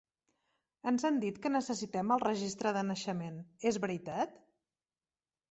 Ens han dit que necessitem el registre de naixement, és veritat?